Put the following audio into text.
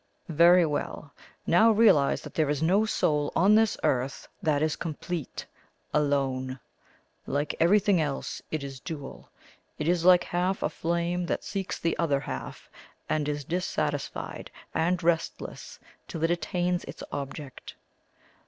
"Very well. Now realize that there is no soul on this earth that is complete, ALONE. Like everything else, it is dual. It is like half a flame that seeks the other half, and is dissatisfied and restless till it attains its object.